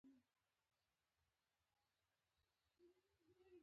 علي ډېر هوښیار دی خپلو درغو ته یوه لاره خامخا پیدا کوي.